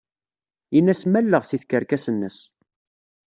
Ini-as malleɣ seg tkerkas-nnes.